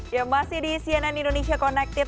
ya masih di cnn indonesia connected